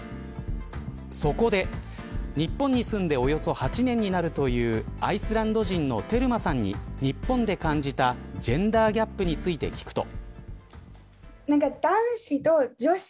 そこで日本に住んでおよそ８年になるというアイスランド人のテルマさんに日本で感じたジェンダーギャップについて聞くと。